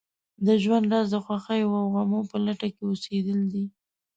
د ژوند راز د خوښیو او غمو په لټه کې اوسېدل دي.